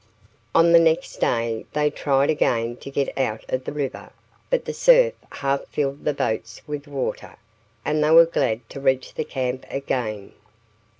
On the next day they tried again to get out of the river, but the surf half filled the boats with water, and they were glad to reach the camp again.